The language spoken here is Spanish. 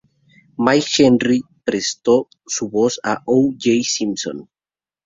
Mike Henry prestó su voz a O. J. Simpson.